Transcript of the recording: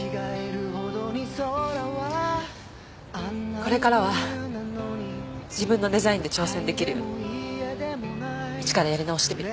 これからは自分のデザインで挑戦できるように一からやり直してみる。